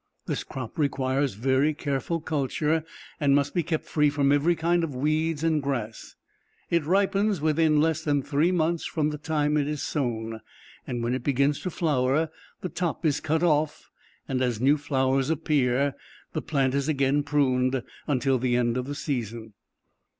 This crop requires very careful culture, and must be kept free from every kind of weeds and grass. It ripens within less than three months from the time it is sown. When it begins to flower, the top is cut off, and, as new flowers appear, the plant is again pruned, until the end of the season.